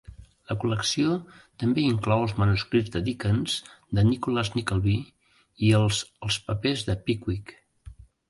La col·lecció també inclou els manuscrits de Dickens de "Nicholas Nickleby" i els "Els papers de Pickwick".